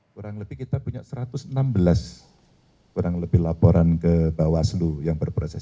kurang lebih kita punya satu ratus enam belas kurang lebih laporan ke bawaslu yang berproses